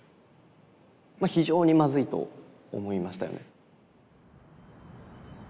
まあ非常にまずいと思いましたよね。